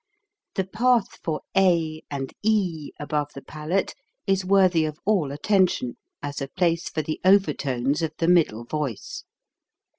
The path for a and e above the palate is worthy of all attention as a place for the over tones of the middle voice.